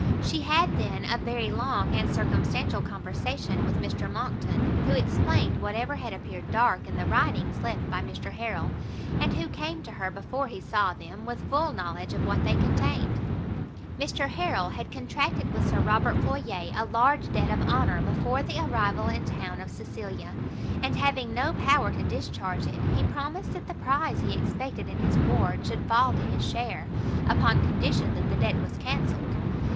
She had then a very long and circumstantial conversation with Mr Monckton, who explained whatever had appeared dark in the writings left by Mr Harrel, and who came to her before he saw them, with full knowledge of what they contained. Mr Harrel had contracted with Sir Robert Floyer a large debt of honour before the arrival in town of Cecilia; and having no power to discharge it, he promised that the prize he expected in his ward should fall to his share, upon condition that the debt was cancelled.